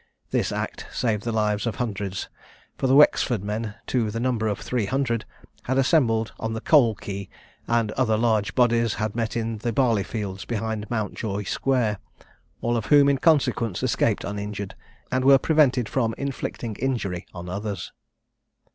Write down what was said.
This act saved the lives of hundreds, for the Wexford men, to the number of three hundred, had assembled on the Coal quay, and other large bodies had met in the barley fields behind Mountjoy square; all of whom, in consequence, escaped uninjured, and were prevented from inflicting injury on others.